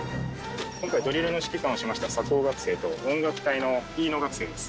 今回ドリルの指揮官をしました佐香学生と音楽隊の飯野学生です。